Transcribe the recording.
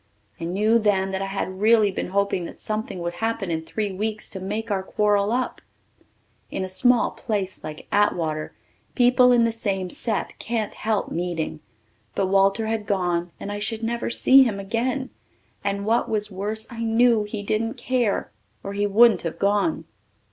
I knew then that I had really been hoping that something would happen in three weeks to make our quarrel up. In a small place like Atwater people in the same set can't help meeting. But Walter had gone and I should never see him again, and what was worse I knew he didn't care or he wouldn't have gone.